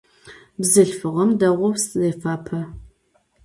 Bzılhfığem değou zêfape.